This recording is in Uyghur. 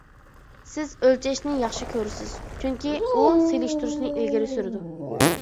سىز ئۆلچەشنى ياخشى كۆرىسىز، چۈنكى ئۇ سېلىشتۇرۇشنى ئىلگىرى سۈرىدۇ.